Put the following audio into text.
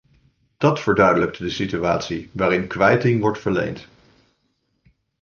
Dat verduidelijkt de situatie waarin kwijting wordt verleend.